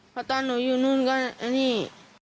เพราะตอนหนูอยู่นู่นก็อันนี้